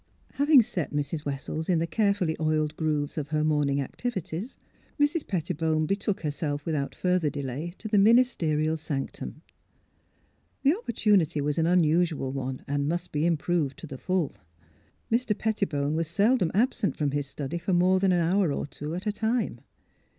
Having set Mrs. Wessels in the carefully oiled grooves of her morning activities, Mrs. Pettibone betook herself without further delay to the minis terial sanctum. The opportunity was an imusual one and must be improved to the full. Mr. Petti bone was seldom absent from his study for more than an hour or two at a time.